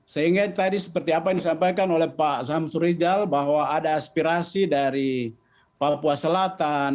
sehingga tadi seperti apa yang disampaikan oleh pak samsur rijal bahwa ada aspirasi dari papua selatan